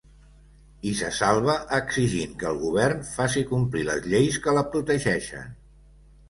I se salva exigint que el govern faci complir les lleis que la protegeixen.